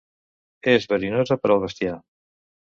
És verinosa per al bestiar.